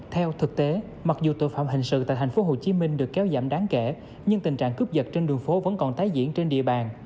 theo thực tế mặc dù tội phạm hình sự tại tp hcm được kéo giảm đáng kể nhưng tình trạng cướp giật trên đường phố vẫn còn tái diễn trên địa bàn